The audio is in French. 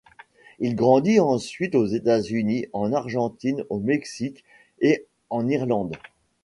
Il grandit ensuite aux États-Unis, en Argentine, au Mexique et en Irlande.